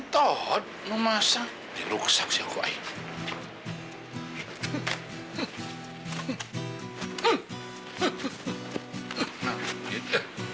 jika tujuh belas handok